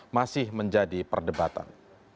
masih menjadi perdebatan